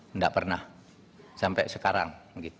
tidak pernah sampai sekarang